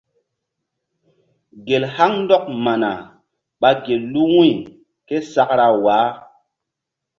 Gel haŋ ndɔk mana ɓa gel lu wu̧y ke sakra waah.